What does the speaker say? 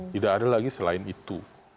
tidak ada lagi selain itu